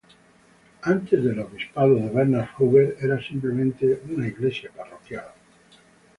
Antes del obispado de Bernard Hubert, era simplemente una iglesia parroquial.